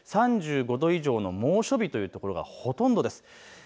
３５度以上の猛暑日という所がほとんどです。